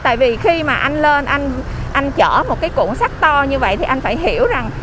tại vì khi mà anh lên anh chở một cái cuộn sắt to như vậy thì anh phải hiểu rằng